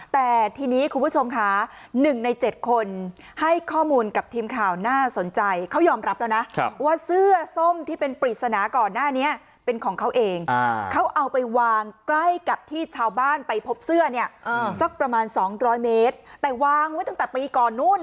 แต่ทีนี้คุณผู้ชมค่ะ๑ใน๗คนให้ข้อมูลกับทีมข่าวน่าสนใจเขายอมรับแล้วนะว่าเสื้อส้มที่เป็นปริศนาก่อนหน้านี้เป็นของเขาเองเขาเอาไปวางใกล้กับที่ชาวบ้านไปพบเสื้อเนี่ยสักประมาณ๒๐๐เมตรแต่วางไว้ตั้งแต่ปีก่อนนู้น